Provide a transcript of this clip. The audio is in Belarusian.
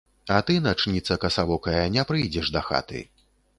А ты, начніца касавокая, не прыйдзеш дахаты.